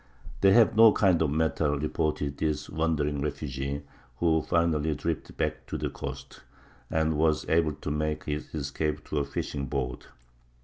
"They have no kind of metal," reported this wandering refugee, who finally drifted back to the coast, and was able to make his escape to a fishing boat.